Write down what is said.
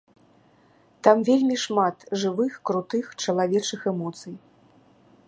Там вельмі шмат жывых крутых чалавечых эмоцый.